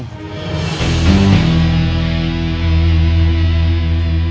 kenapa ada ujang